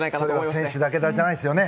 河村選手だけじゃないですね。